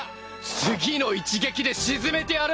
次の一撃で沈めてやる！